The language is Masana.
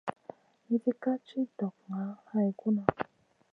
Nizi ka ci ɗokŋa hay guna.